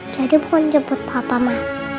jadi bukan jemput papa ma